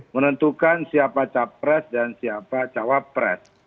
menentukan siapa capres dan siapa cawapres